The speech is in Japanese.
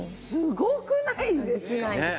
すごくないですか。